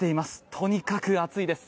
とにかく暑いです。